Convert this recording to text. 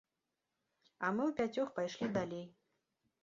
А мы ўпяцёх пайшлі далей.